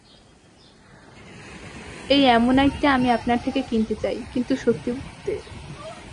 এই অ্যামোনাইটটা আমি আপনার থেকে কিনতে চাই, কিন্তু সত্যি বলতে।